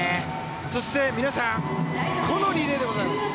そして皆さんこのリレーです。